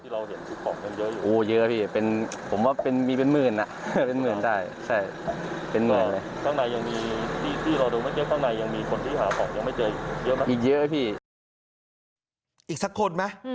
ที่เราเห็นทุกของมันเยอะอยู่โอ้เยอะพี่ผมว่ามีเป็นหมื่นเป็นหมื่นได้